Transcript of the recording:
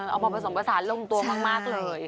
เอามาผสมผสานลงตัวมากเลย